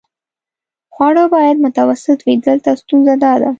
خواړه باید متوسط وي، دلته ستونزه داده.